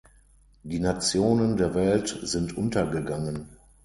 Die Nationen der Welt sind untergegangen.